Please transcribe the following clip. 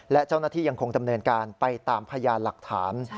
และเจ้าหน้าที่ยังคงดำเนินการไปตามพยานหลักฐาน